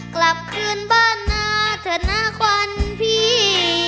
กลับคืนบ้านหน้าเถอะนะขวัญพี่